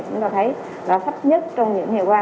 chúng ta thấy nó thấp nhất trong những ngày qua